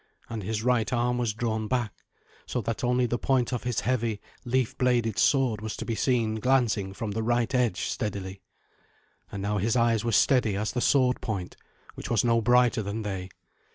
And his right arm was drawn back, so that only the point of his heavy leaf bladed sword was to be seen glancing from the right edge steadily. And now his eyes were steady as the sword point, which was no brighter than they.